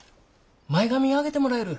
前髪上げてもらえる？